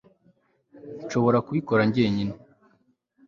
Nshobora kubikora njyenyine